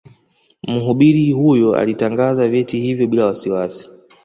Mhubiri huyo alitangaza vyeti hivyo bila wasiwasi